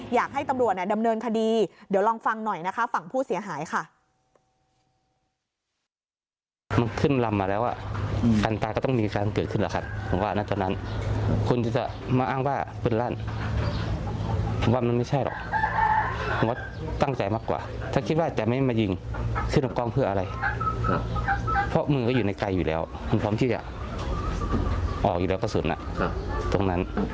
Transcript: อยากให้ตำรวจดำเนินคดีเดี๋ยวลองฟังหน่อยนะคะฝั่งผู้เสียหายค่ะ